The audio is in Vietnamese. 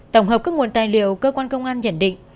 tổng hợp các nguồn tài liệu cơ quan công an nhận định